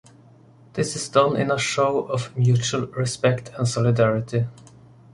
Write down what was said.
This is done in a show of mutual respect and solidarity.